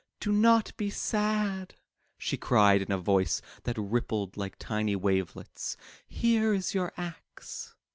"Do not be sad,'' she cried in a voice that rippled like tiny wavelets, "here is your axe."